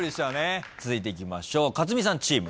続いていきましょう克実さんチーム。